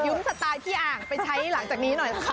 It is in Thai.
ขอยุ้มสตาร์ทที่อ่างไปใช้หลังจากนี้หน่อยค่ะ